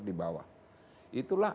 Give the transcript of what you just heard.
di bawah itulah